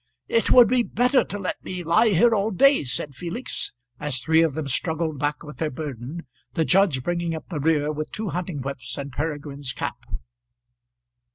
"It would be better to let me lie here all day," said Felix, as three of them struggled back with their burden, the judge bringing up the rear with two hunting whips and Peregrine's cap.